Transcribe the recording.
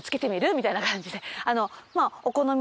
みたいな感じで。